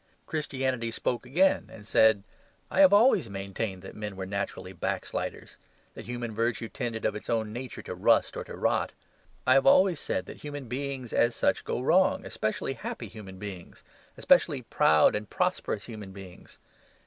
Christianity spoke again and said: "I have always maintained that men were naturally backsliders; that human virtue tended of its own nature to rust or to rot; I have always said that human beings as such go wrong, especially happy human beings, especially proud and prosperous human beings.